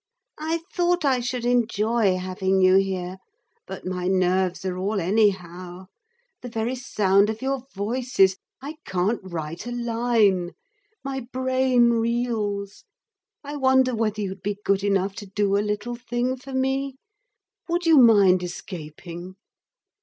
'I thought I should enjoy having you here, but my nerves are all anyhow. The very sound of your voices. I can't write a line. My brain reels. I wonder whether you'd be good enough to do a little thing for me? Would you mind escaping?'